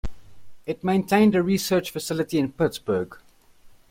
It maintained a research facility in Pittsburgh.